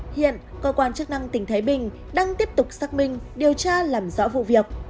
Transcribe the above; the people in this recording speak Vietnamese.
hiện cơ quan chức năng tỉnh thái bình đang tiếp tục xác minh điều tra làm rõ vụ việc